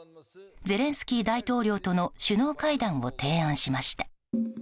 ゼレンスキー大統領との首脳会談を提案しました。